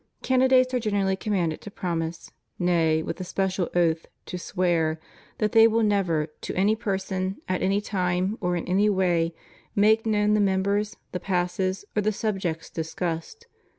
Candidates are generally commanded to promise — nay, with a special oath, to swear — that they will never, to any person, at any time or in any way, make known the members, the passes, or the subjects dis cussed.